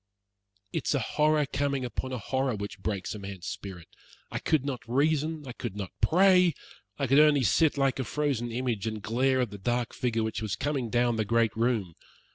It is a horror coming upon a horror which breaks a man's spirit. I could not reason, I could not pray; I could only sit like a frozen image, and glare at the dark figure which was coming down the great room.